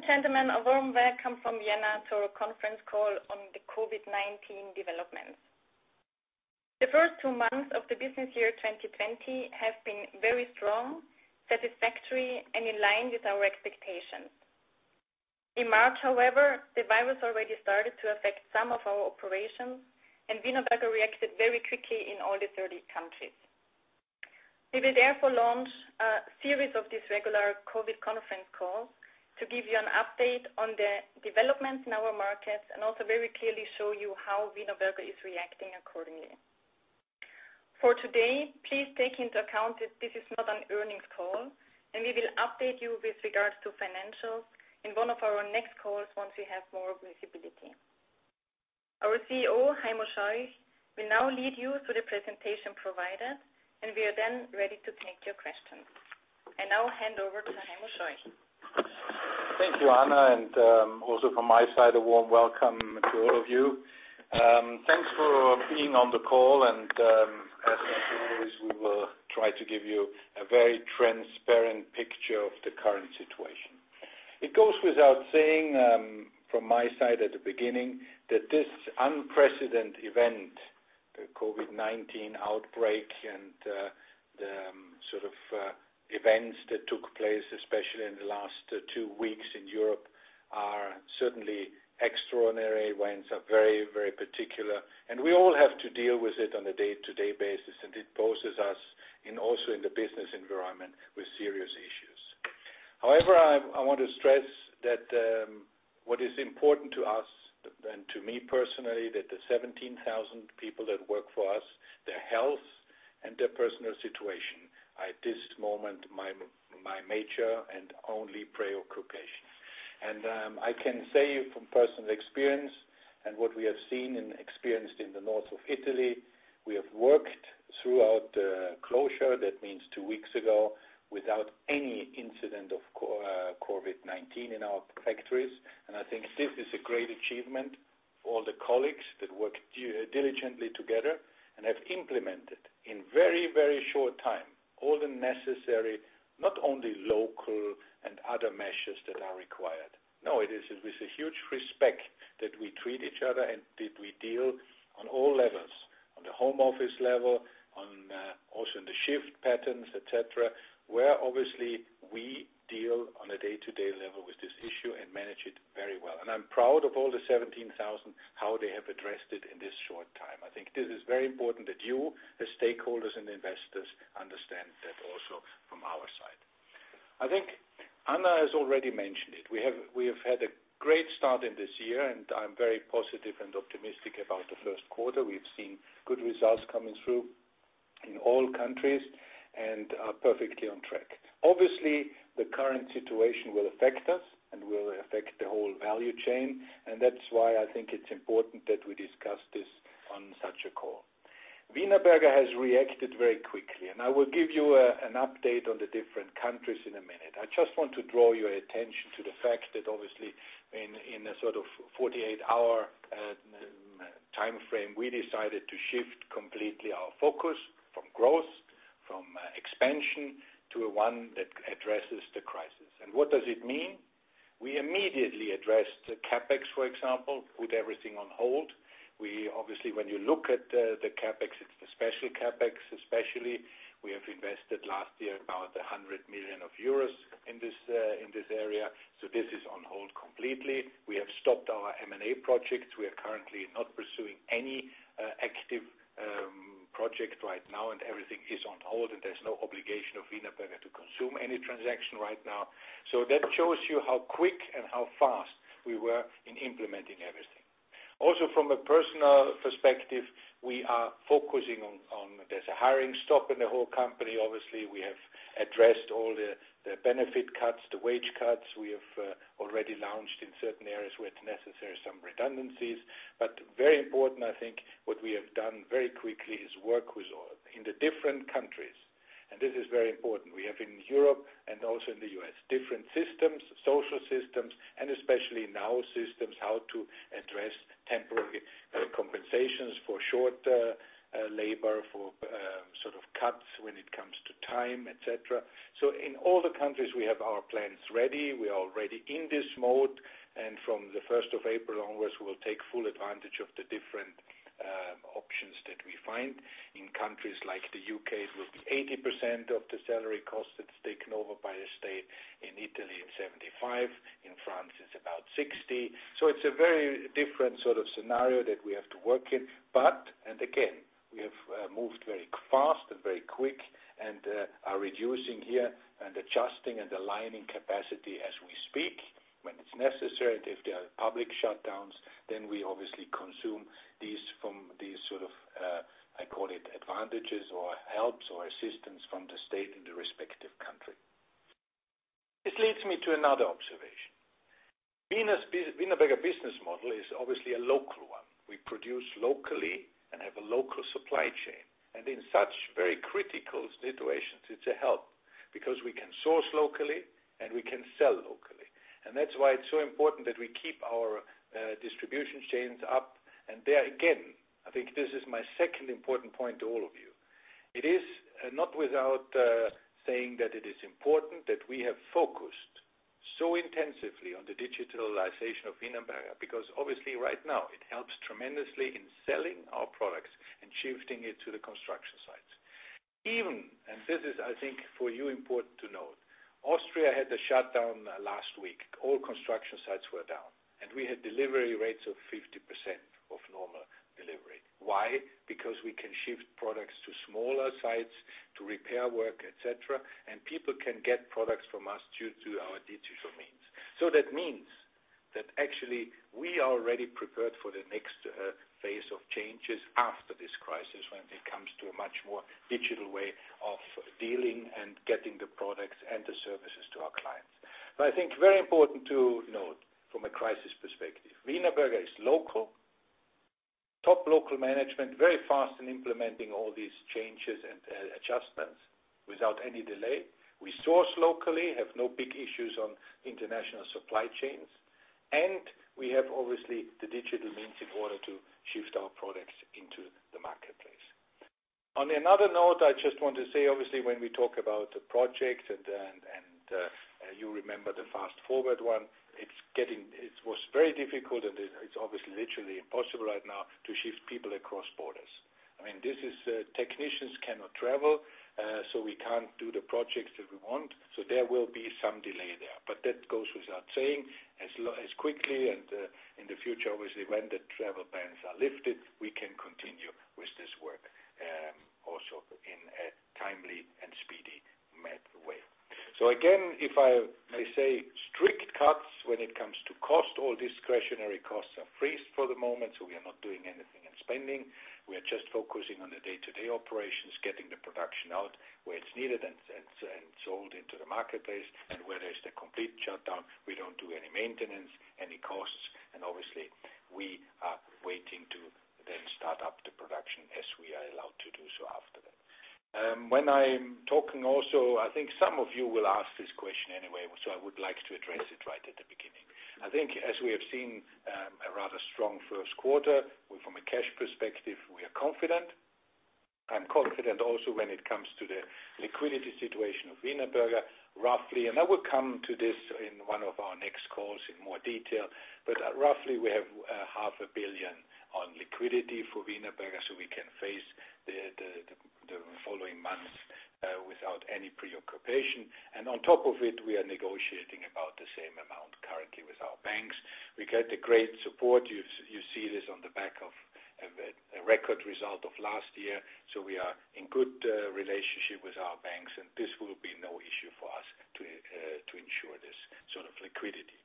Ladies and gentlemen, a warm welcome from Vienna to our conference call on the COVID-19 Developments. The first two months of the business year 2020 have been very strong, satisfactory, and in line with our expectations. In March, however, the virus already started to affect some of our operations, and Wienerberger reacted very quickly in all the 30 countries. We will therefore launch a series of these regular COVID conference calls to give you an update on the developments in our markets and also very clearly show you how Wienerberger is reacting accordingly. For today, please take into account that this is not an earnings call, and we will update you with regards to financials in one of our next calls once we have more visibility. Our CEO, Heimo Scheuch, will now lead you through the presentation provided, and we are then ready to take your questions. Now I hand over to Heimo Scheuch. Thank you, Anna. Also from my side, a warm welcome to all of you. Thanks for being on the call. As always, we will try to give you a very transparent picture of the current situation. It goes without saying from my side at the beginning, that this unprecedented event, the COVID-19 outbreak and the events that took place, especially in the last two weeks in Europe, are certainly extraordinary ones, are very particular, and we all have to deal with it on a day-to-day basis, and it poses us also in the business environment with serious issues. However, I want to stress that what is important to us and to me personally, that the 17,000 people that work for us, their health and their personal situation, are at this moment my major and only preoccupation. I can say from personal experience and what we have seen and experienced in the north of Italy, we have worked throughout the closure, that means two weeks ago, without any incident of COVID-19 in our factories. I think this is a great achievement for all the colleagues that work diligently together and have implemented in very short time, all the necessary, not only local and other measures that are required. No, it is with a huge respect that we treat each other and that we deal on all levels, on the home office level, also in the shift patterns, et cetera, where obviously we deal on a day-to-day level with this issue and manage it very well. I am proud of all the 17,000, how they have addressed it in this short time. I think this is very important that you, the stakeholders and investors, understand that also from our side. I think Anna has already mentioned it. We have had a great start in this year, and I'm very positive and optimistic about the first quarter. We've seen good results coming through in all countries and are perfectly on track. Obviously, the current situation will affect us and will affect the whole value chain, and that's why I think it's important that we discuss this on such a call. Wienerberger has reacted very quickly, and I will give you an update on the different countries in a minute. I just want to draw your attention to the fact that obviously in a sort of 48-hour timeframe, we decided to shift completely our focus from growth, from expansion, to one that addresses the crisis. What does it mean? We immediately addressed the CapEx, for example, put everything on hold. Obviously, when you look at the CapEx, it's the special CapEx, especially. We have invested last year about 100 million euros in this area. This is on hold completely. We have stopped our M&A projects. We are currently not pursuing any active project right now, and everything is on hold, and there's no obligation of Wienerberger to consume any transaction right now. That shows you how quick and how fast we were in implementing everything. Also, from a personal perspective, There's a hiring stop in the whole company, obviously. We have addressed all the benefit cuts, the wage cuts. We have already launched in certain areas where it's necessary, some redundancies. Very important, I think, what we have done very quickly is work with all in the different countries. This is very important. We have in Europe and also in the U.S., different systems, social systems, and especially now systems, how to address temporary compensations for short labor, for cuts when it comes to time, et cetera. In all the countries, we have our plans ready. We are already in this mode, and from the 1st of April onwards, we will take full advantage of the different options that we find. In countries like the U.K., it will be 80% of the salary cost that's taken over by the state. In Italy, it's 75%. In France, it's about 60%. It's a very different sort of scenario that we have to work in. Again, we have moved very fast and very quick and are reducing here and adjusting and aligning capacity as we speak. When it's necessary, if there are public shutdowns, then we obviously consume these from these sort of, I call it, advantages or helps or assistance from the state in the respective country. This leads me to another observation. Wienerberger business model is obviously a local one. We produce locally and have a local supply chain. In such very critical situations, it's a help because we can source locally, and we can sell locally. That's why it's so important that we keep our distribution chains up, and there, again, I think this is my second important point to all of you. It is not without saying that it is important that we have focused so intensively on the digitalization of Wienerberger, because obviously right now it helps tremendously in selling our products and shifting it to the construction sites. This is, I think, for you important to note, Austria had a shutdown last week. All construction sites were down. We had delivery rates of 50% of normal delivery. Why? We can shift products to smaller sites to repair work, et cetera, and people can get products from us due to our digital means. That means that actually we are already prepared for the next phase of changes after this crisis, when it comes to a much more digital way of dealing and getting the products and the services to our clients. I think very important to note from a crisis perspective, Wienerberger is local, top local management, very fast in implementing all these changes and adjustments without any delay. We source locally, have no big issues on international supply chains. We have obviously the digital means in order to shift our products into the marketplace. On another note, I just want to say, obviously, when we talk about the project and you remember the Fast Forward one, it was very difficult and it's obviously literally impossible right now to shift people across borders. Technicians cannot travel. We can't do the projects that we want. There will be some delay there. That goes without saying, as quickly and in the future, obviously, when the travel bans are lifted, we can continue with this work also in a timely and speedy met way. Again, if I may say strict cuts when it comes to cost or discretionary costs are frozen for the moment. We are not doing anything in spending. We are just focusing on the day-to-day operations, getting the production out where it's needed and sold into the marketplace. Where there's the complete shutdown, we don't do any maintenance, any costs, and obviously, we are waiting to then start up the production as we are allowed to do so after that. When I'm talking also, I think some of you will ask this question anyway, so I would like to address it right at the beginning. I think as we have seen a rather strong first quarter, from a cash perspective, we are confident. I'm confident also when it comes to the liquidity situation of Wienerberger, roughly, and I will come to this in one of our next calls in more detail, but roughly we have a 0.5 billion on liquidity for Wienerberger, so we can face the following months without any preoccupation. On top of it, we are negotiating about the same amount currently with our banks. We get a great support. You see this on the back of a record result of last year. We are in good relationship with our banks, and this will be no issue for us to ensure this sort of liquidity.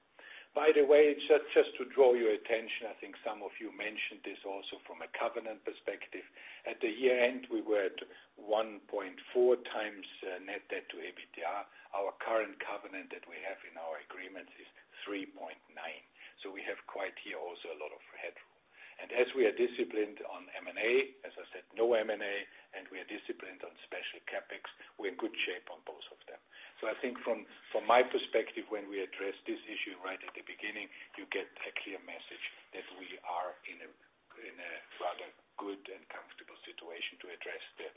By the way, just to draw your attention, I think some of you mentioned this also from a covenant perspective. At the year-end, we were at 1.4x net debt to EBITDA. Our current covenant that we have in our agreements is 3.9. We have quite here also a lot of headroom. As we are disciplined on M&A, as I said, no M&A, and we are disciplined on special CapEx, we're in good shape on both of them. I think from my perspective, when we address this issue right at the beginning, you get a clear message that we are in a rather good and comfortable situation to address the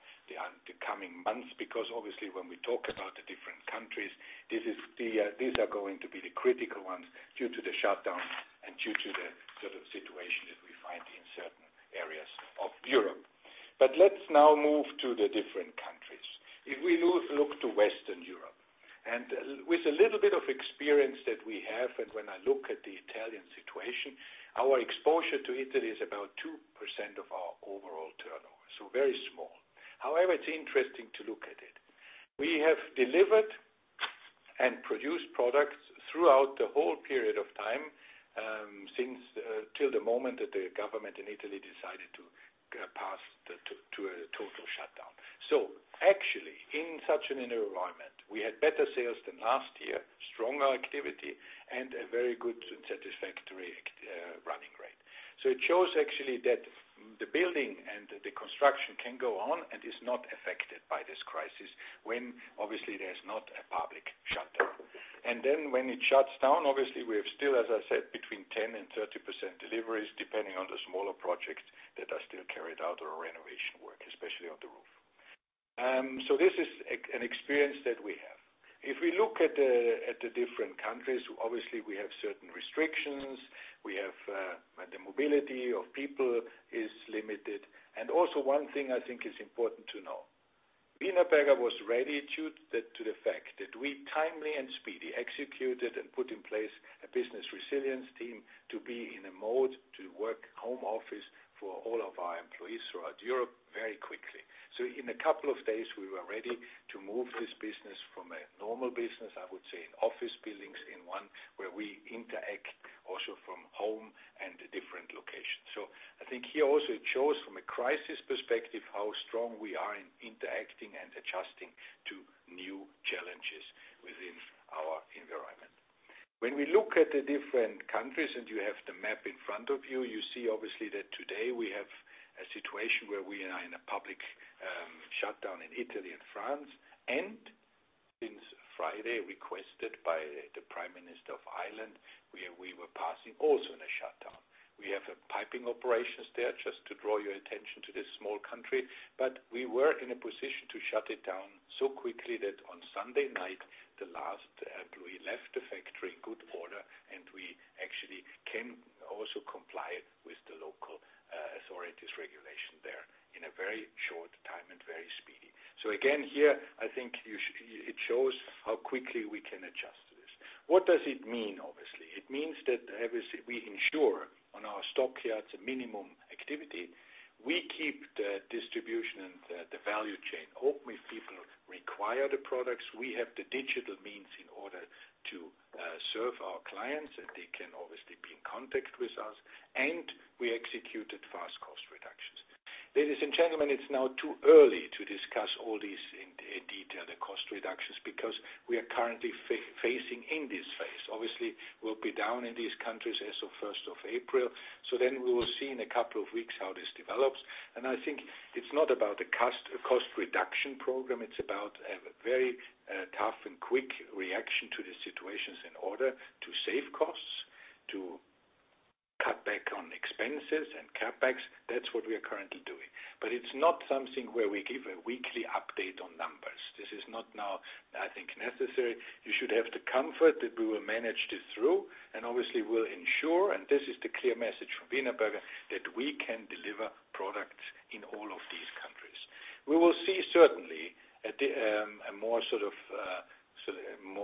coming months, because obviously when we talk about the different countries, these are going to be the critical ones due to the shutdown and due to the sort of situation that we find in certain areas of Europe. Let's now move to the different countries. If we look to Western Europe, and with a little bit of experience that we have, and when I look at the Italian situation, our exposure to Italy is about 2% of our overall turnover. Very small. However, it's interesting to look at it. We have delivered and produced products throughout the whole period of time till the moment that the government in Italy decided to pass to a total shutdown. Actually, in such an environment, we had better sales than last year, stronger activity, and a very good satisfactory running rate. It shows actually that the building and the construction can go on and is not affected by this crisis when obviously there's not a public shutdown. When it shuts down, obviously, we have still, as I said, between 10% and 30% deliveries, depending on the smaller projects that are still carried out or renovation work, especially on the roof. This is an experience that we have. If we look at the different countries, obviously, we have certain restrictions. The mobility of people is limited. Also one thing I think is important to know. Wienerberger was ready to the fact that we timely and speedy executed and put in place a business resilience team to be in a mode to work home office for all of our employees throughout Europe very quickly. In a couple of days, we were ready to move this business from a normal business, I would say, in office buildings in one where we interact also from home and different locations. I think here also it shows from a crisis perspective how strong we are in interacting and adjusting to new challenges within our environment. When we look at the different countries, and you have the map in front of you see obviously that today we have a situation where we are in a public shutdown in Italy and France. Since Friday, requested by the Prime Minister of Ireland, where we were passing also in a shutdown. We have piping operations there, just to draw your attention to this small country. We were in a position to shut it down so quickly that on Sunday night, the last, we left the factory in good order, and we actually can also comply with the local authorities' regulation there in a very short time and very speedy. Again, here, I think it shows how quickly we can adjust to this. What does it mean, obviously? It means that we ensure on our stockyards a minimum activity. We keep the distribution and the value chain open. If people require the products, we have the digital means in order to serve our clients, and they can obviously be in contact with us. We executed fast cost reductions. Ladies and gentlemen, it's now too early to discuss all these in detail, the cost reductions, because we are currently facing in this phase. We'll be down in these countries as of 1st of April. We will see in a couple of weeks how this develops. I think it's not about the cost reduction program. It's about a very tough and quick reaction to the situations in order to save costs, to cut back on expenses and CapEx. That's what we are currently doing. It's not something where we give a weekly update on numbers. This is not now, I think, necessary. You should have the comfort that we will manage this through, and obviously we'll ensure, and this is the clear message from Wienerberger, that we can deliver products in all of these countries. We will see certainly a more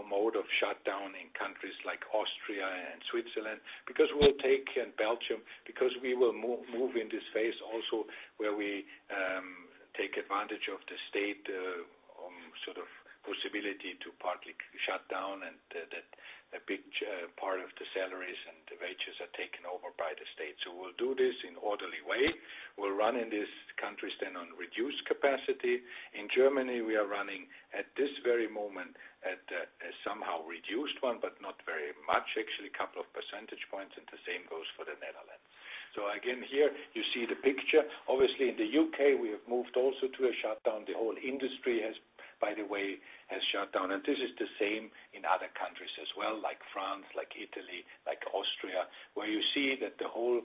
mode of shutdown in countries like Austria and Switzerland, and Belgium, because we will move in this phase also where we take advantage of the state possibility to partly shut down and that a big part of the salaries and the wages are taken over by the state. We'll do this in orderly way. We'll run in these countries then on reduced capacity. In Germany, we are running at this very moment at a somehow reduced one, but not very much, actually a couple of percentage points, and the same goes for the Netherlands. Again, here you see the picture. Obviously, in the U.K., we have moved also to a shutdown. The whole industry, by the way, has shut down. This is the same in other countries as well, like France, like Italy, like Austria, where you see that the whole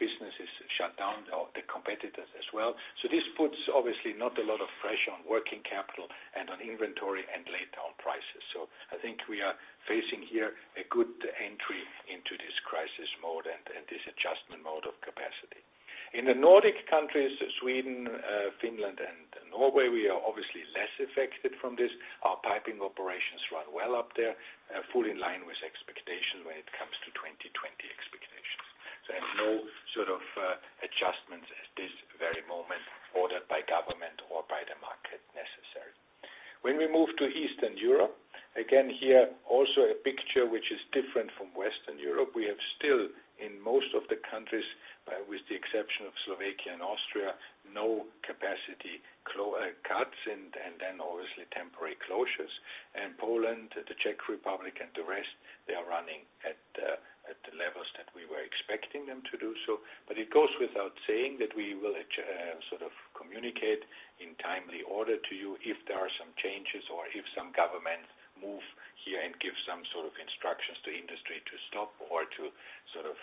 business is shut down or the competitors as well. This puts obviously not a lot of pressure on working capital and on inventory and laid-down prices. I think we are facing here a good entry into this crisis mode and this adjustment mode of capacity. In the Nordic Countries, Sweden, Finland, and Norway, we are obviously less affected from this. Our piping operations run well up there, fully in line with expectation when it comes to 2020 expectations. There's no sort of adjustments at this very moment ordered by government or by the market necessary. When we move to Eastern Europe, again, here also a picture which is different from Western Europe. We have still, in most of the countries, with the exception of Slovakia and Austria, no capacity cuts and then obviously temporary closures. Poland, the Czech Republic, and the rest, they are running at the levels that we were expecting them to do so. It goes without saying that we will communicate in timely order to you if there are some changes or if some governments move here and give some sort of instructions to industry to stop or to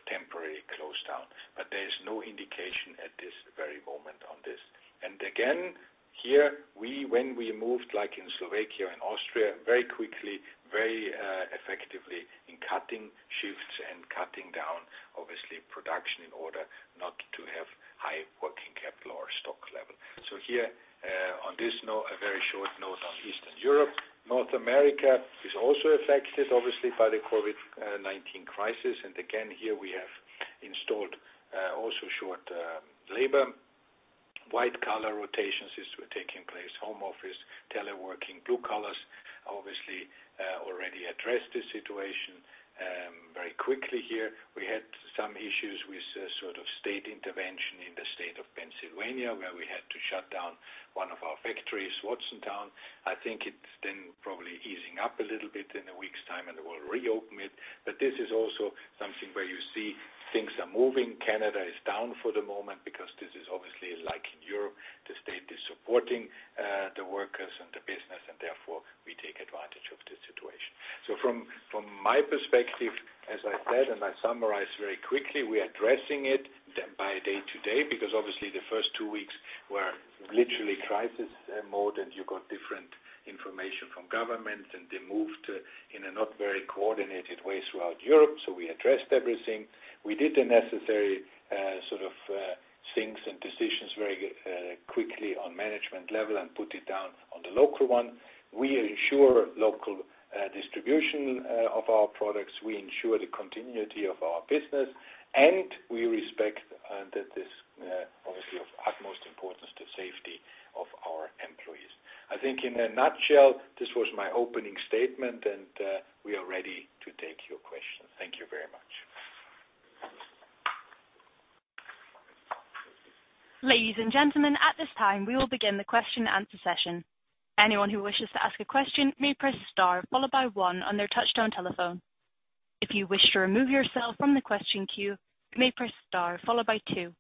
temporarily close down. There is no indication at this very moment on this. Again, here, when we moved, like in Slovakia and Austria, very quickly, very effectively in cutting shifts and cutting down, obviously, production in order not to have high working capital or stock level. Here, on this note, a very short note on Eastern Europe. North America is also affected, obviously, by the COVID-19 crisis. Again, here we have installed also short labor. White-collar rotations is taking place. Home office, teleworking. Blue collars, obviously, already addressed the situation very quickly here. We had some issues with state intervention in the state of Pennsylvania, where we had to shut down one of our factories, Watsontown. I think it's then probably easing up a little bit in a week's time and we'll reopen it. This is also something where you see things are moving. Canada is down for the moment because this is obviously like in Europe, the state is supporting the workers and the business, and therefore we take advantage of this situation. From my perspective, as I said, and I summarize very quickly, we are addressing it by day-to-day, because obviously the first two weeks were literally crisis mode, and you got different information from government, and they moved in a not very coordinated way throughout Europe. We addressed everything. We did the necessary things and decisions very quickly on management level and put it down on the local one. We ensure local distribution of our products. We ensure the continuity of our business, and we respect that it's obviously of utmost importance, the safety of our employees. I think in a nutshell, this was my opening statement, and we are ready to take your questions. Thank you very much. Ladies and gentlemen, at this time, we will begin the question and answer session. Anyone who wishes to ask a question may press star followed by one on their touchtone telephone. If you wish to remove yourself from the question queue, you may press star followed by two.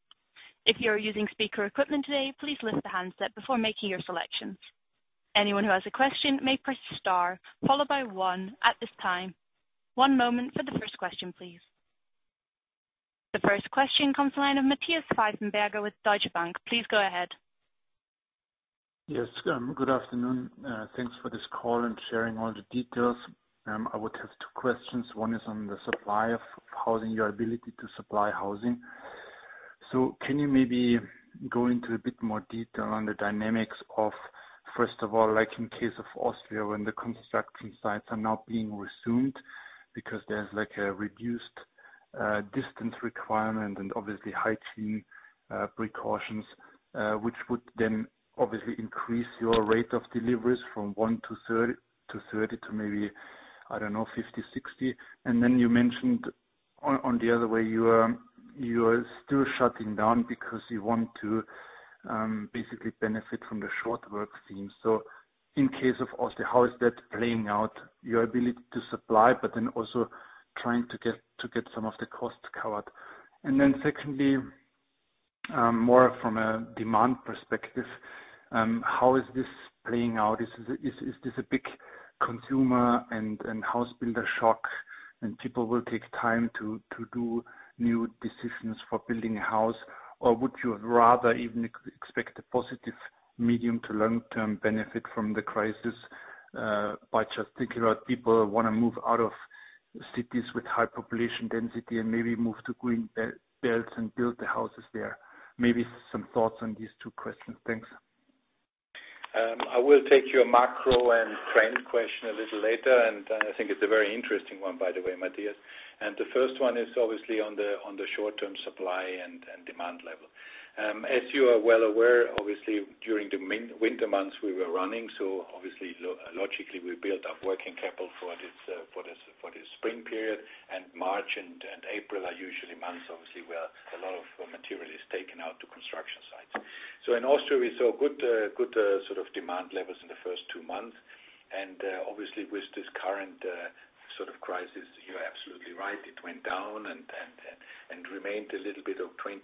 If you are using speaker equipment today, please lift the handset before making your selections. Anyone who has a question may press star followed by one at this time. One moment for the first question, please. The first question comes the line of Matthias Pfeifenberger with Deutsche Bank. Please go ahead. Yes. Good afternoon. Thanks for this call and sharing all the details. I would have two questions. One is on the supply of housing, your ability to supply housing. Can you maybe go into a bit more detail on the dynamics of, first of all, like in case of Austria, when the construction sites are now being resumed because there's a reduced distance requirement and obviously hygiene precautions, which would then obviously increase your rate of deliveries from 1-30 to maybe, I don't know, 50, 60. Then you mentioned on the other way, you are still shutting down because you want to basically benefit from the short work theme. In case of Austria, how is that playing out, your ability to supply, but then also trying to get some of the costs covered? Secondly, more from a demand perspective, how is this playing out? Is this a big consumer and house builder shock and people will take time to do new decisions for building a house? Would you rather even expect a positive medium to long-term benefit from the crisis, by just thinking about people want to move out of cities with high population density and maybe move to green belts and build the houses there. Maybe some thoughts on these two questions. Thanks. I will take your macro and trend question a little later. I think it's a very interesting one, by the way, Matthias. The first one is obviously on the short-term supply and demand level. As you are well aware, obviously, during the winter months we were running, so obviously, logically, we built up working capital for this spring period, and March and April are usually months, obviously, where a lot of material is taken out to construction sites. In Austria, we saw good demand levels in the first two months, and obviously with this current crisis, you're absolutely right, it went down and remained a little bit of 20%-30%,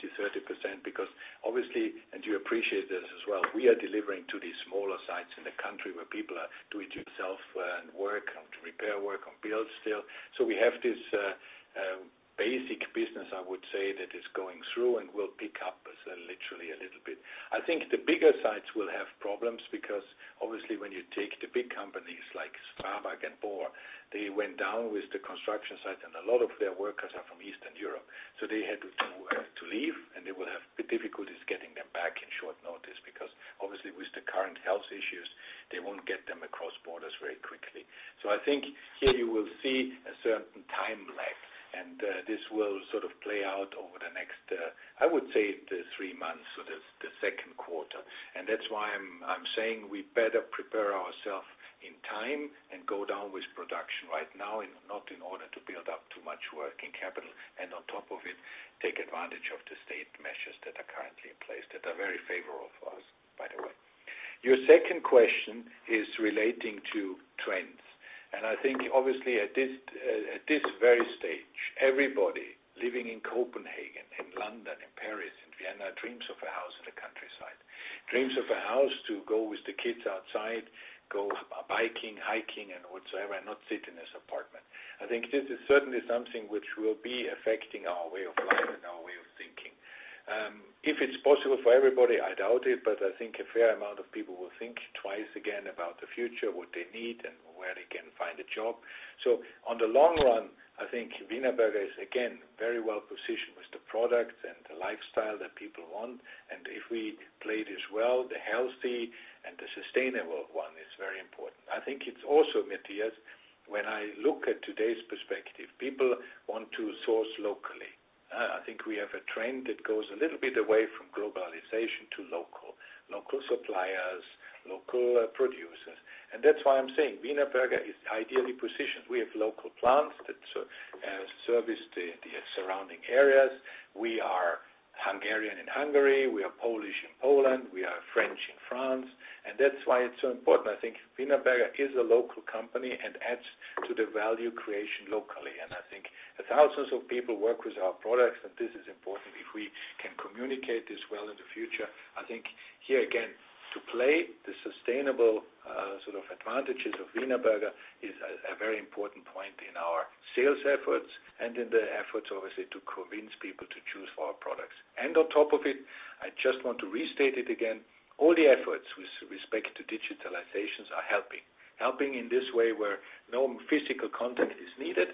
because obviously, and you appreciate this as well, we are delivering to these smaller sites in the country where people are do it yourself and work and to repair work and build still. We have this basic business, I would say, that is going through and will pick up literally a little bit. I think the bigger sites will have problems because obviously when you take the big companies like Strabag and Porr, they went down with the construction sites and a lot of their workers are from Eastern Europe. They had to leave, and they will have difficulties getting them back in short notice because obviously with the current health issues, they won't get them across borders very quickly. I think here you will see a certain time lag, and this will play out over the next, I would say, the three months, so the second quarter. That's why I'm saying we better prepare ourselves in time and go down with production right now, not in order to build up too much working capital, and on top of it, take advantage of the state measures that are currently in place that are very favorable for us, by the way. Your second question is relating to trends. I think obviously at this very stage, everybody living in Copenhagen, in London, in Paris, in Vienna, dreams of a house in the countryside, dreams of a house to go with the kids outside, go biking, hiking and whatsoever, and not sit in this apartment. I think this is certainly something which will be affecting our way of life and our way of thinking. If it's possible for everybody, I doubt it, but I think a fair amount of people will think twice again about the future, what they need and where they can find a job. On the long run, I think Wienerberger is again, very well positioned with the products and the lifestyle that people want. If we play this well, the healthy and the sustainable one is very important. I think it's also, Matthias, when I look at today's perspective, people want to source locally. I think we have a trend that goes a little bit away from globalization to local. Local suppliers, local producers. That's why I'm saying Wienerberger is ideally positioned. We have local plants that service the surrounding areas. We are Hungarian in Hungary, we are Polish in Poland, we are French in France, and that's why it's so important. I think Wienerberger is a local company and adds to the value creation locally. I think thousands of people work with our products, and this is important if we can communicate this well in the future. I think here again, to play the sustainable advantages of Wienerberger is a very important point in our sales efforts and in the efforts, obviously, to convince people to choose for our products. On top of it, I just want to restate it again, all the efforts with respect to digitalizations are helping. Helping in this way where no physical contact is needed.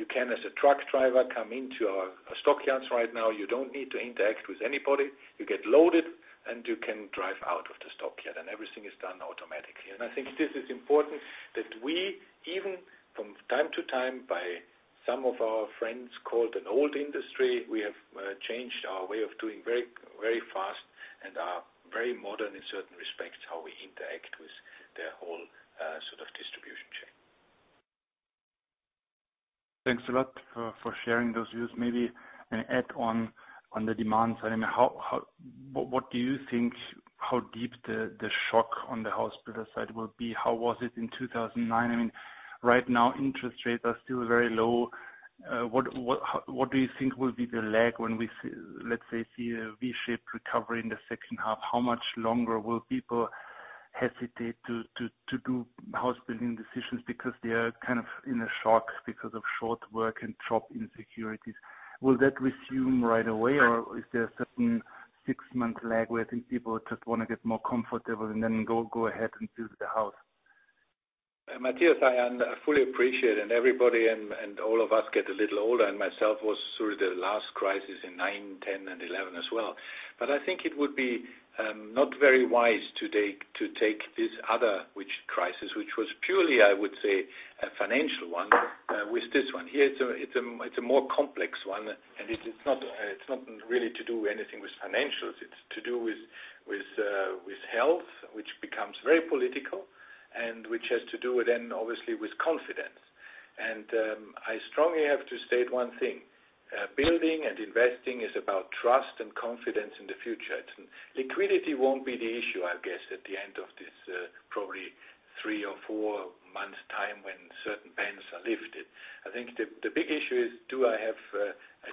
You can, as a truck driver, come into our stockyards right now. You don't need to interact with anybody. You get loaded and you can drive out of the stockyard and everything is done automatically. I think this is important that we, even from time to time by some of our friends called an old industry, we have changed our way of doing very fast and are very modern in certain respects, how we interact with the whole distribution chain. Thanks a lot for sharing those views. Maybe an add-on the demand side. What do you think, how deep the shock on the house builder side will be? How was it in 2009? Right now, interest rates are still very low. What do you think will be the lag when we, let's say, see a V-shaped recovery in the second half? How much longer will people hesitate to do house building decisions because they are in a shock because of short work and job insecurities? Will that resume right away, or is there a certain six-month lag where I think people just want to get more comfortable and then go ahead and build the house? Matthias, I fully appreciate. Everybody and all of us get a little older, and myself was through the last crisis in 2009, 2010, and 2011 as well. I think it would be not very wise to take this other crisis, which was purely, I would say, a financial one, with this one. Here it's a more complex one. It's not really to do anything with financials. It's to do with health, which becomes very political and which has to do then obviously with confidence. I strongly have to state one thing. Building and investing is about trust and confidence in the future. Liquidity won't be the issue, I guess, at the end of this probably three or four months time when certain bans are lifted. I think the big issue is, do I have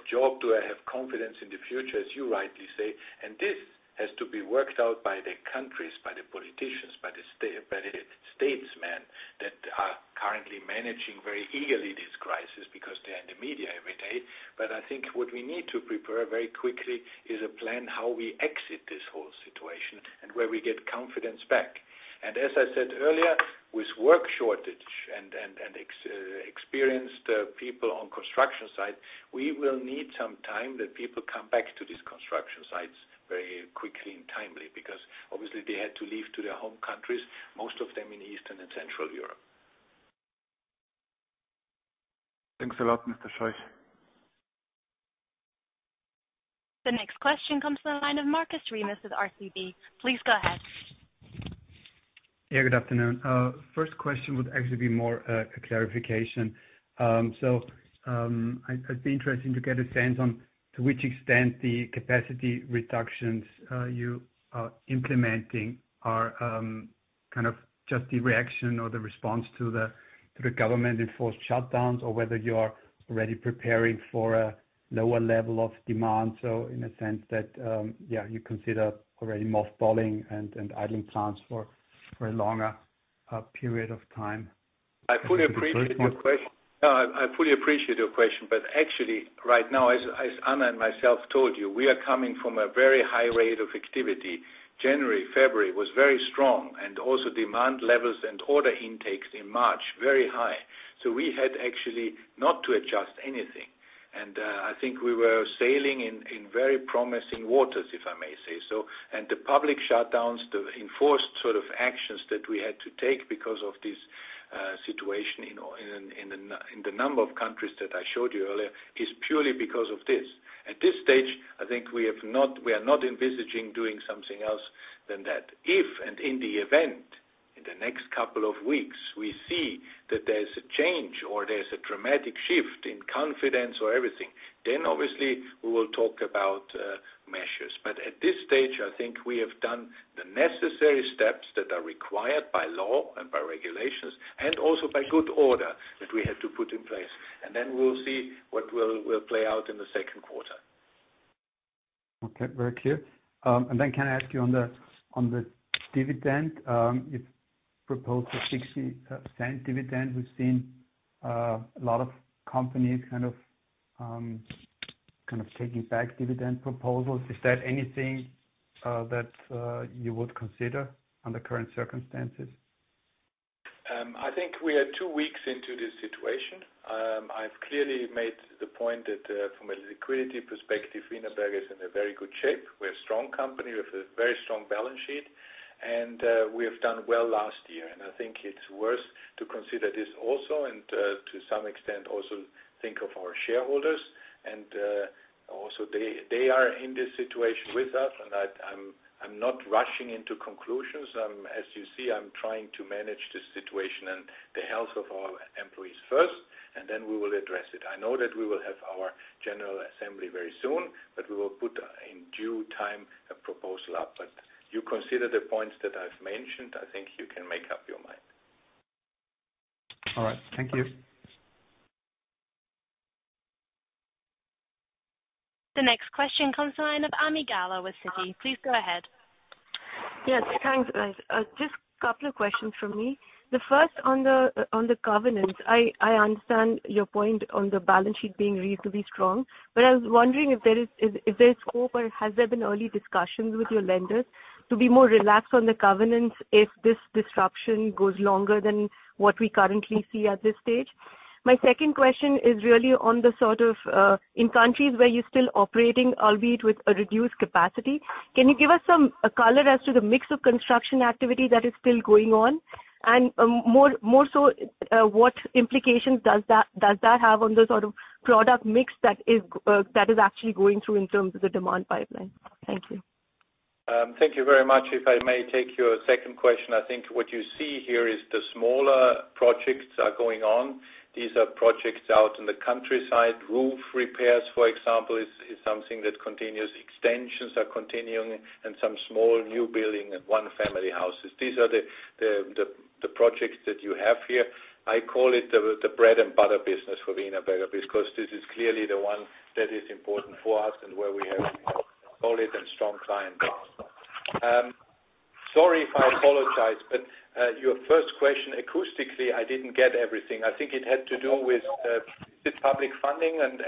a job? Do I have confidence in the future, as you rightly say? This has to be worked out by the countries, by the politicians, by the statesmen that are currently managing very eagerly this crisis because they're in the media every day. I think what we need to prepare very quickly is a plan how we exit this whole situation and where we get confidence back. As I said earlier, with work shortage and experienced people on construction site, we will need some time that people come back to these construction sites very quickly and timely. Obviously they had to leave to their home countries, most of them in Eastern and Central Europe. Thanks a lot, Mr. Scheuch. The next question comes from the line of Markus Remis with RCB. Please go ahead. Yeah, good afternoon. First question would actually be more a clarification. I'd be interested to get a sense on to which extent the capacity reductions you are implementing are just the reaction or the response to the government-enforced shutdowns, or whether you are already preparing for a lower level of demand, in a sense that, yeah, you consider already mothballing and idling plants for a longer period of time? I fully appreciate your question. No, I fully appreciate your question, actually right now, as Anna and myself told you, we are coming from a very high rate of activity. January, February was very strong, also demand levels and order intakes in March, very high. We had actually not to adjust anything. I think we were sailing in very promising waters, if I may say so. The public shutdowns, the enforced actions that we had to take because of this situation in the number of countries that I showed you earlier, is purely because of this. At this stage, I think we are not envisaging doing something else than that. If and in the event, in the next couple of weeks, we see that there's a change or there's a dramatic shift in confidence or everything, obviously we will talk about measures. At this stage, I think we have done the necessary steps that are required by law and by regulations and also by good order that we had to put in place. Then we'll see what will play out in the second quarter. Okay. Very clear. Can I ask you on the dividend, you've proposed a 0.60 dividend. We've seen a lot of companies taking back dividend proposals. Is that anything that you would consider under current circumstances? I think we are two weeks into this situation. I've clearly made the point that from a liquidity perspective, Wienerberger is in a very good shape. We're a strong company. We have a very strong balance sheet, and we have done well last year. I think it's worth to consider this also and to some extent also think of our shareholders. Also they are in this situation with us, and I'm not rushing into conclusions. As you see, I'm trying to manage the situation and the health of our employees first, and then we will address it. I know that we will have our general assembly very soon, but we will put in due time a proposal up. You consider the points that I've mentioned. I think you can make up your mind. All right. Thank you. The next question comes to the line of Ami Galla with Citi. Please go ahead. Yes, thanks. Just couple of questions from me. The first on the covenants. I understand your point on the balance sheet being reasonably strong, but I was wondering if there is scope or has there been early discussions with your lenders to be more relaxed on the covenants if this disruption goes longer than what we currently see at this stage? My second question is really in countries where you're still operating, albeit with a reduced capacity, can you give us some color as to the mix of construction activity that is still going on? More so, what implications does that have on the sort of product mix that is actually going through in terms of the demand pipeline? Thank you. Thank you very much. If I may take your second question, I think what you see here is the smaller projects are going on. These are projects out in the countryside. Roof repairs, for example, is something that continues. Extensions are continuing and some small new building and one-family houses. These are the projects that you have here. I call it the bread and butter business for Wienerberger, because this is clearly the one that is important for us and where we have a solid and strong client base. Sorry, I apologize, your first question, acoustically, I didn't get everything. I think it had to do with the public funding and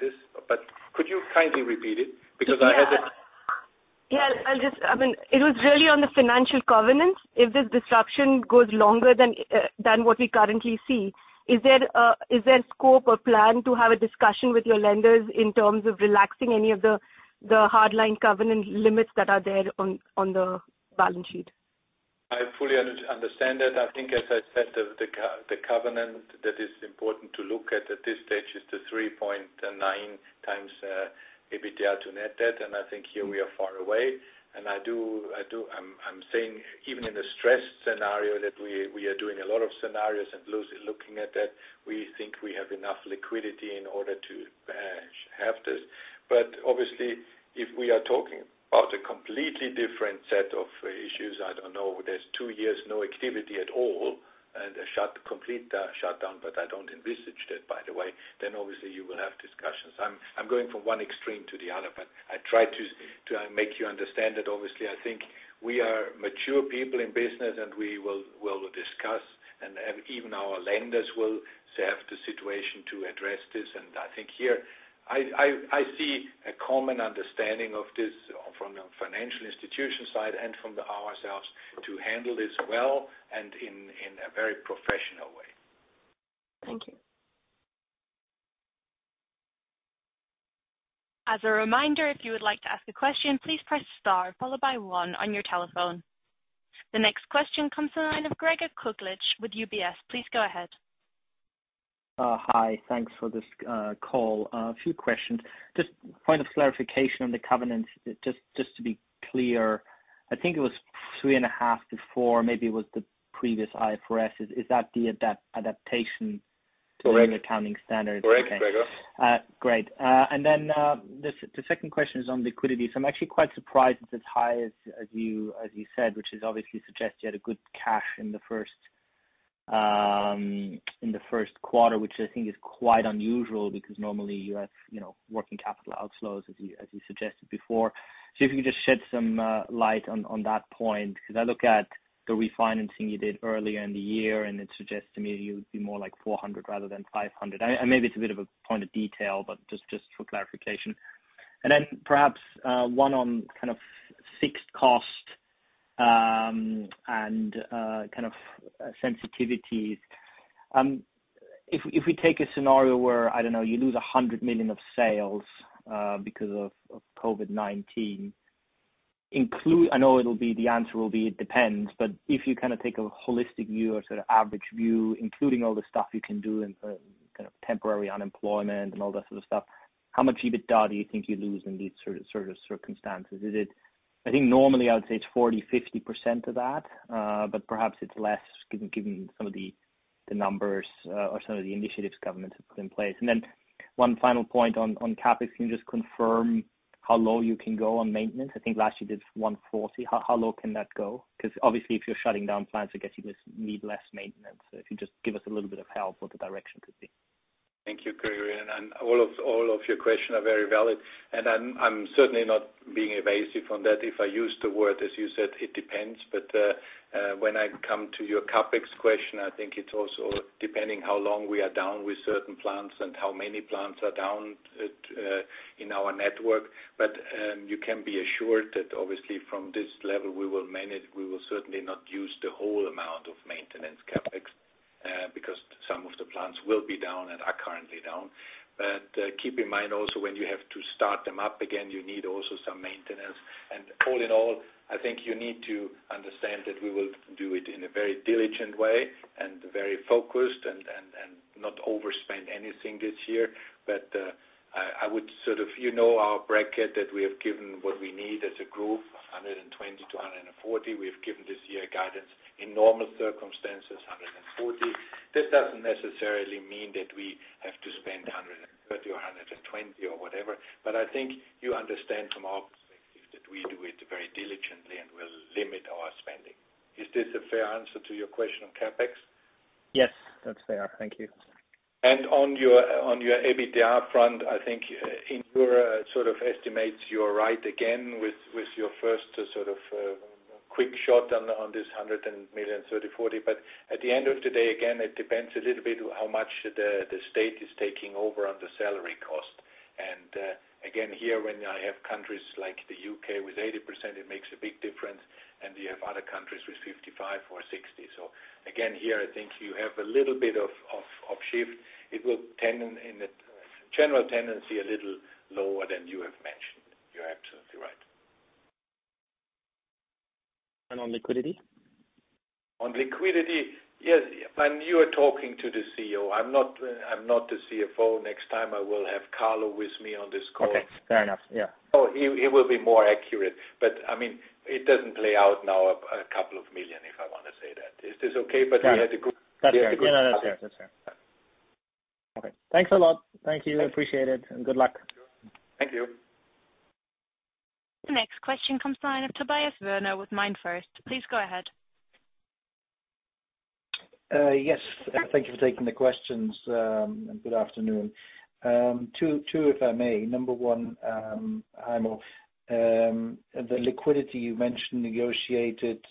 this, but could you kindly repeat it? Because I had a- Yes. It was really on the financial covenants. If this disruption goes longer than what we currently see, is there scope or plan to have a discussion with your lenders in terms of relaxing any of the hard line covenant limits that are there on the balance sheet? I fully understand that. I think, as I said, the covenant that is important to look at this stage is the 3.9x EBITDA to net debt. I think here we are far away. I'm saying even in the stress scenario that we are doing a lot of scenarios and loosely looking at that, we think we have enough liquidity in order to have this. Obviously, if we are talking about a completely different set of issues, I don't know, there's two years, no activity at all and a complete shutdown, I don't envisage that, by the way, obviously you will have discussions. I'm going from one extreme to the other, I try to make you understand that obviously, I think we are mature people in business, we will discuss, even our lenders will have the situation to address this. I think here I see a common understanding of this from the financial institution side and from ourselves to handle this well and in a very professional way. Thank you. As a reminder, if you would like to ask a question, please press star followed by one on your telephone. The next question comes to the line of Gregor Kuglitsch with UBS. Please go ahead. Hi. Thanks for this call. A few questions. Just point of clarification on the covenants, just to be clear, I think it was three and a half before. Maybe it was the previous IFRS. Is that the adaptation? Correct. To the accounting standards? Correct, Gregor. Great. The second question is on liquidity. I'm actually quite surprised it's as high as you said, which obviously suggests you had a good cash in the first quarter, which I think is quite unusual because normally you have working capital outflows, as you suggested before. If you could just shed some light on that point, because I look at the refinancing you did earlier in the year, and it suggests to me it would be more like 400 rather than 500. Maybe it's a bit of a point of detail, but just for clarification. Perhaps one on fixed cost and sensitivities. If we take a scenario where, I don't know, you lose 100 million of sales because of COVID-19. I know the answer will be it depends, but if you take a holistic view or sort of average view, including all the stuff you can do in temporary unemployment and all that sort of stuff, how much EBITDA do you think you lose in these sort of circumstances? I think normally I would say it's 40%-50% of that. Perhaps it's less given some of the numbers or some of the initiatives government have put in place. One final point on CapEx. Can you just confirm how low you can go on maintenance? I think last year did 140. How low can that go? Obviously, if you're shutting down plants, I guess you just need less maintenance. If you just give us a little bit of help what the direction could be. Thank you, Gregor. All of your questions are very valid, and I'm certainly not being evasive on that. If I use the word, as you said, it depends. When I come to your CapEx question, I think it's also depending how long we are down with certain plants and how many plants are down in our network. You can be assured that obviously from this level we will manage. We will certainly not use the whole amount of maintenance CapEx, because some of the plants will be down and are currently down. Keep in mind also when you have to start them up again, you need also some maintenance. All in all, I think you need to understand that we will do it in a very diligent way and very focused and not overspend anything this year. I would sort of our bracket that we have given what we need as a group, 120-140. We have given this year guidance in normal circumstances, 140. This doesn't necessarily mean that we have to spend 130 or 120 or whatever. I think you understand from our perspective that we do it very diligently and we'll limit our spending. Is this a fair answer to your question on CapEx? Yes, that's fair. Thank you. On your EBITDA front, I think in euro sort of estimates, you are right again with your first sort of quick shot on this 130 million-140 million. At the end of the day, again, it depends a little bit how much the state is taking over on the salary cost. Again, here, when I have countries like the U.K. with 80%, it makes a big difference. You have other countries with 55% or 60%. Again, here I think you have a little bit of shift. It will tend in the general tendency a little lower than you have mentioned. You are absolutely right. On liquidity? On liquidity. Yes. You are talking to the CEO. I'm not the CFO. Next time I will have Carlo with me on this call. Okay, fair enough. Yeah. He will be more accurate, it doesn't play out now a couple of million euros, if I want to say that. Is this okay? That's fair. No, that's fair. Okay. Thanks a lot. Thank you. Appreciate it and good luck. Thank you. The next question comes line of Tobias Woerner with MainFirst. Please go ahead. Yes. Thank you for taking the questions. Good afternoon. Two, if I may. Number one, Heimo, the liquidity you mentioned negotiated,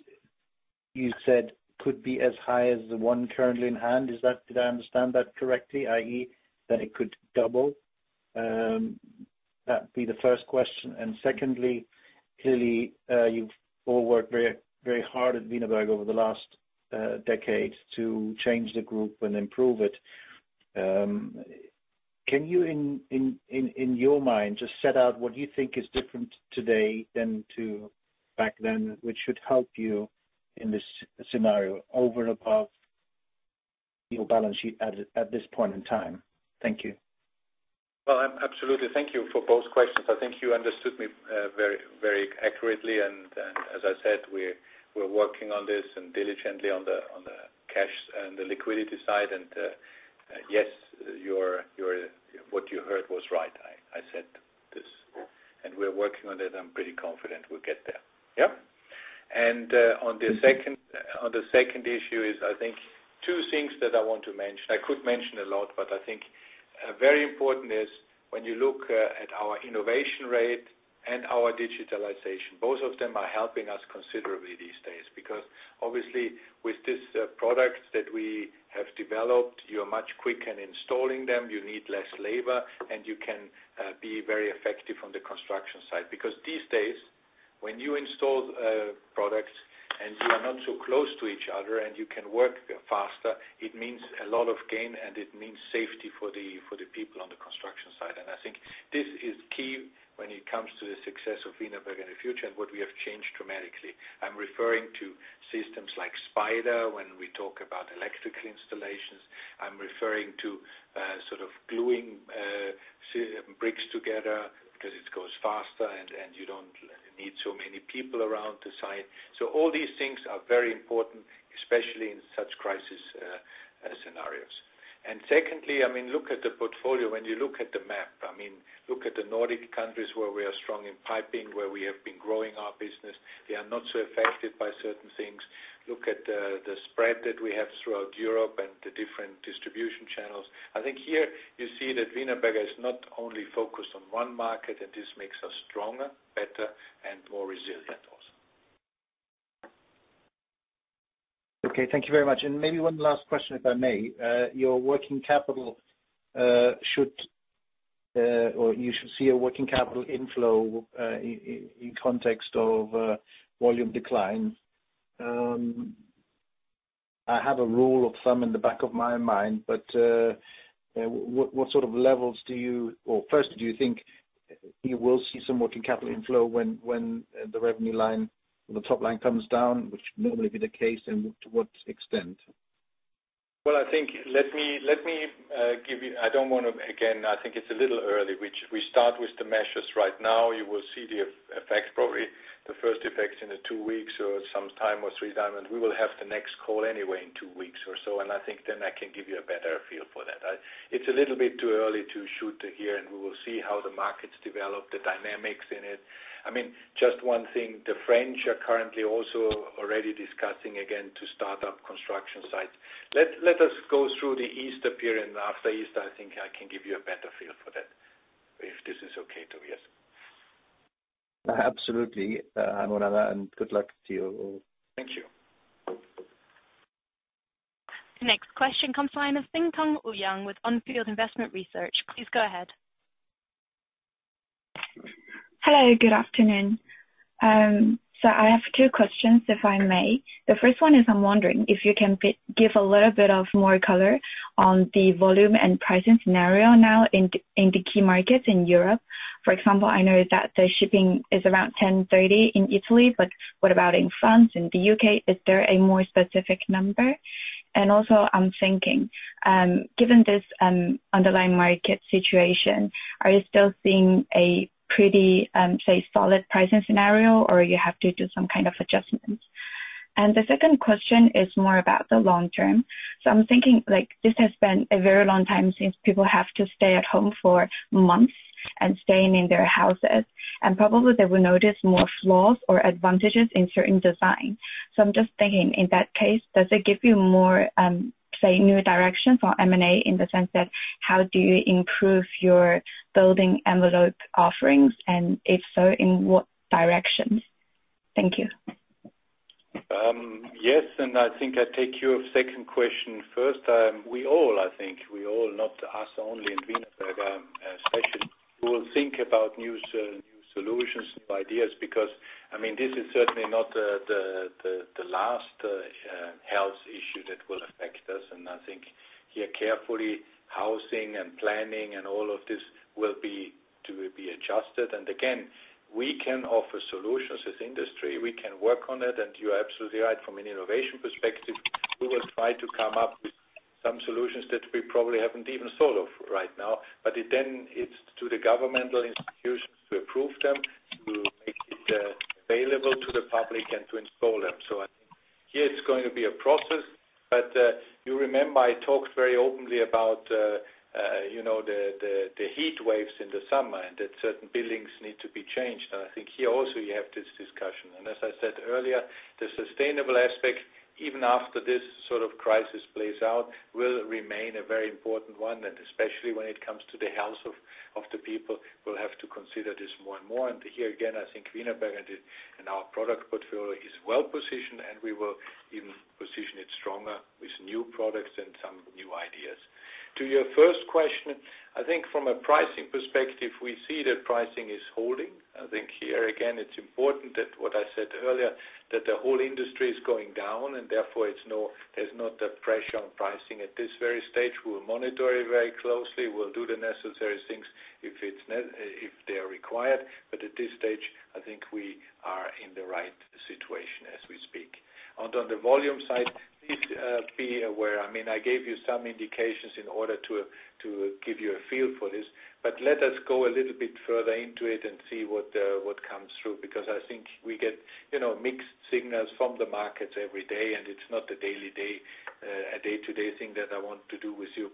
you said could be as high as the one currently in hand. Did I understand that correctly, i.e., that it could double? That'd be the first question. Secondly, clearly, you've all worked very hard at Wienerberger over the last decade to change the group and improve it. Can you, in your mind, just set out what you think is different today than to back then, which should help you in this scenario over and above your balance sheet at this point in time? Thank you. Well, absolutely. Thank you for both questions. I think you understood me very accurately and as I said, we're working on this and diligently on the cash and the liquidity side and yes, what you heard was right. I said this and we're working on it. I'm pretty confident we'll get there. Yep. On the second issue is, I think two things that I want to mention. I could mention a lot, but I think very important is when you look at our innovation rate and our digitalization, both of them are helping us considerably these days because obviously with these products that we have developed, you are much quicker in installing them. You can be very effective on the construction site because these days when you install products and you are not so close to each other and you can work faster, it means a lot of gain, and it means safety for the people on the construction site. I think this is key when it comes to the success of Wienerberger in the future and what we have changed dramatically. I'm referring to systems like Spider when we talk about electrical installations. I'm referring to sort of gluing bricks together because it goes faster and you don't need so many people around the site. All these things are very important, especially in such crisis scenarios. Secondly, look at the portfolio. When you look at the map, look at the Nordic countries where we are strong in piping, where we have been growing our business. They are not so affected by certain things. Look at the spread that we have throughout Europe and the different distribution channels. I think here you see that Wienerberger is not only focused on one market, and this makes us stronger, better, and more resilient also. Okay, thank you very much. Maybe one last question, if I may. Your working capital, you should see a working capital inflow in context of volume decline. I have a rule of thumb in the back of my mind, but what sort of levels or first, do you think you will see some working capital inflow when the revenue line or the top line comes down, which would normally be the case, and to what extent? Well, I think I don't want to, again, I think it's a little early. We start with the measures right now. You will see the effects, probably the first effects in the two weeks or some time or three time, and we will have the next call anyway in two weeks or so, and I think then I can give you a better feel for that. It's a little bit too early to shoot here, and we will see how the markets develop, the dynamics in it. Just one thing, the French are currently also already discussing again to start up construction sites. Let us go through the Easter period and after Easter, I think I can give you a better feel for that, if this is okay, Tobias. Absolutely, Heimo, and good luck to you all. Thank you. The next question comes line of Xintong Ouyang with On Field Investment Research. Please go ahead. Hello, good afternoon. I have two questions, if I may. The first one is I'm wondering if you can give a little bit of more color on the volume and pricing scenario now in the key markets in Europe. For example, I know that the shipping is around 10.30 in Italy, but what about in France, in the U.K.? Is there a more specific number? I'm thinking, given this underlying market situation, are you still seeing a pretty, say, solid pricing scenario, or you have to do some kind of adjustments? The second question is more about the long term. I'm thinking like this has been a very long time since people have to stay at home for months and staying in their houses, and probably they will notice more flaws or advantages in certain design. I'm just thinking, in that case, does it give you more, say, new direction for M&A in the sense that how do you improve your building envelope offerings, and if so, in what directions? Thank you. Yes. I think I take your second question first. We all, I think, we all, not us only in Wienerberger especially, we will think about new solutions, new ideas, because this is certainly not the last health issue that will affect us. I think here carefully, housing and planning and all of this will be adjusted. Again, we can offer solutions as industry. You're absolutely right from an innovation perspective, we will try to come up with some solutions that we probably haven't even thought of right now, it's to the governmental institutions to approve them, to make it available to the public, and to install them. I think here it's going to be a process, but you remember I talked very openly about the heat waves in the summer, and that certain buildings need to be changed, and I think here also you have this discussion. As I said earlier, the sustainable aspect, even after this sort of crisis plays out, will remain a very important one, and especially when it comes to the health of the people, we'll have to consider this more and more. Here again, I think Wienerberger and our product portfolio is well-positioned, and we will even position it stronger with new products and some new ideas. To your first question, I think from a pricing perspective, we see that pricing is holding. I think here again, it's important that what I said earlier, that the whole industry is going down and therefore there's not that pressure on pricing at this very stage. We'll monitor it very closely. We'll do the necessary things if they're required. At this stage, I think we are in the right situation as we speak. On the volume side, please be aware, I gave you some indications in order to give you a feel for this, but let us go a little bit further into it and see what comes through, because I think we get mixed signals from the markets every day, and it's not a day-to-day thing that I want to do with you.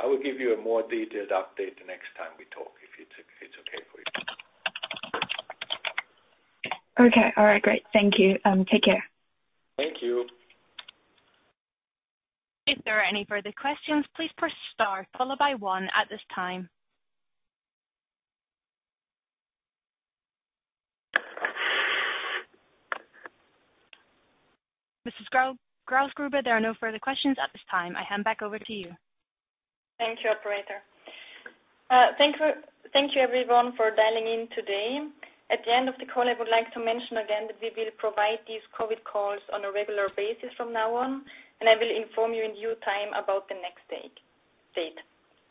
I will give you a more detailed update the next time we talk, if it's okay for you. Okay. All right, great. Thank you. Take care. Thank you. If there are any further questions, please press star followed by one at this time. Mrs. Grausgruber, there are no further questions at this time. I hand back over to you. Thank you, operator. Thank you, everyone, for dialing in today. At the end of the call, I would like to mention again that we will provide these COVID calls on a regular basis from now on, and I will inform you in due time about the next date.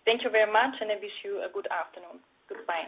Thank you very much, and I wish you a good afternoon. Goodbye.